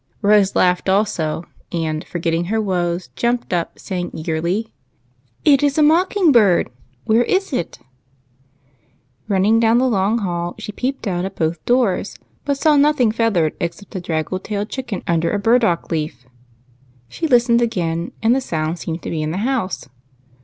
Rose laughed also, and, forgetting her woes, jumped up, saying eagerly,— " It is a mocking bird. Where is it ?" Running down the long hall, she peeped out at both doors, but saw nothing feathered except a draggle tailed chicken under a burdock leaf. She listened again, and the sound seemed to be in the house.